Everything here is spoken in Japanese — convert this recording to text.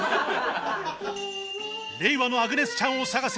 「令和のアグネス・チャンを探せ」